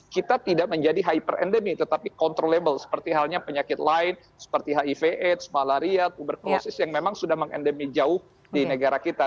kita tidak menjadi hyper endemi tetapi controllable seperti halnya penyakit lain seperti hiv aids malaria tuberkulosis yang memang sudah mengendemi jauh di negara kita